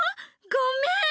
ごめん！